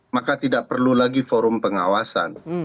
maka tidak perlu lagi forum pengawasan